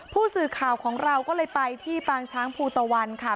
ผู้สื่อข่าวของเราก็เลยไปที่ปางช้างภูตะวันค่ะ